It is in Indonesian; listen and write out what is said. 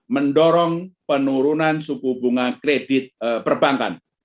mendorong penurunan suku bunga kredit perbankan